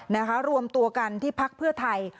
นะคะรวมตัวกันที่พักเพื่อไทย